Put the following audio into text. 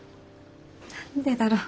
何でだろう？